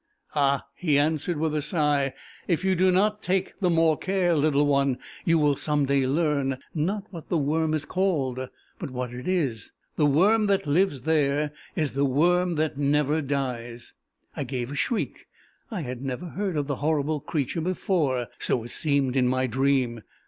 "Ah," he answered, with a sigh, "if you do not take the more care, little one, you will some day learn, not what the worm is called, but what it is! The worm that lives there, is the worm that never dies." I gave a shriek; I had never heard of the horrible creature before so it seemed in my dream.